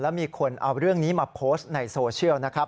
แล้วมีคนเอาเรื่องนี้มาโพสต์ในโซเชียลนะครับ